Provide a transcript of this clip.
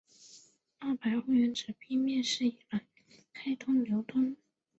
二百欧元纸币面世以来开始流通。